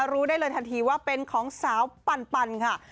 รู้ได้เลยทันทีว่าเป็นของสาวปันค่ะ